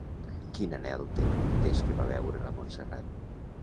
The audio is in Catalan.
Quin anhel té, des que va veure la Montserrat?